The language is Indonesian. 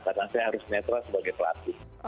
karena saya harus netral sebagai pelatih